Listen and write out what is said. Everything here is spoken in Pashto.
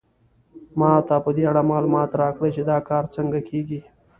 ما ته په دې اړه معلومات راکړئ چې دا کار څنګه کیږي